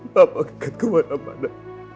papa akan kemana mana